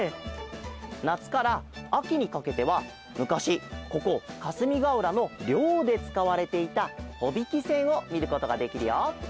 なつからあきにかけてはむかしここかすみがうらのりょうでつかわれていたほびきせんをみることができるよ。